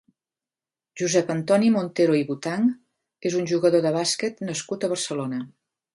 Josep Antoni Montero i Botanch és un jugador de bàsquet nascut a Barcelona.